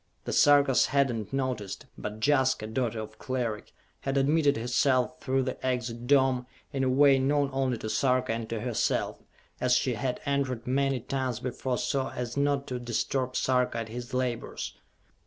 The Sarkas had not noticed, but Jaska, daughter of Cleric, had admitted herself through the Exit Dome, in a way known only to Sarka and to herself, as she had entered many times before so as not to disturb Sarka at his labors.